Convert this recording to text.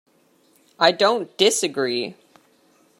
I don't disagree.